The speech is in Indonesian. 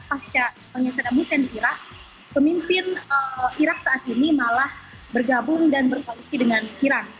pasca pengembangan saddam hussein di iraq pemimpin iraq saat ini malah bergabung dan berkongsi dengan iran